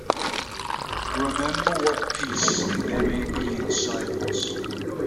Remember what peace there may be in silence.